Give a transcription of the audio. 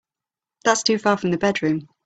That's too far from the bedroom.